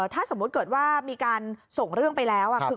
ถ้าสมมุติเกิดว่ามีการส่งเรื่องไปแล้ว